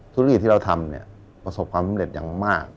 ธุรกิจที่เราทำเนี่ยประสบความสำเร็จอย่างมาก